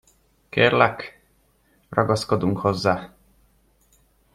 Kérlek, ragaszkodunk hozzá.